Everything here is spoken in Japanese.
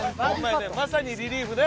まさにリリーフね。